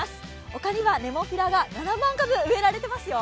丘にはネモフィラが７万株植えられていますよ。